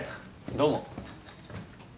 どうも。